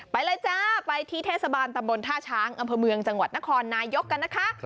ไปเลยจ้าไปที่เทศบาลตำบลท่าช้างอำเภอเมืองจังหวัดนครนายกกันนะคะ